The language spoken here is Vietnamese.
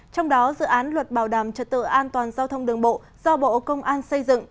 trong đó dự án luật bảo đảm trật tự an toàn giao thông đường bộ do bộ công an xây dựng